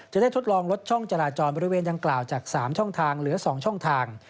ทดลองลดช่องจราจรบริเวณดังกล่าวจาก๓ช่องทางเหลือ๒ช่องทาง